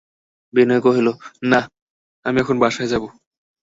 বিনয় কহিল, না, আমি এখন বাসায় যাব।